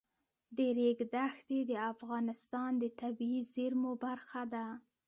د ریګ دښتې د افغانستان د طبیعي زیرمو برخه ده.